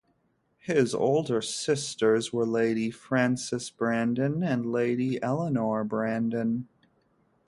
His older sisters were Lady Frances Brandon and Lady Eleanor Brandon.